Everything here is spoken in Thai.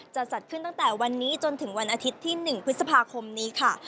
จัดขึ้นตั้งแต่วันนี้จนถึงวันอาทิตย์ที่๑พฤษภาคมนี้ค่ะ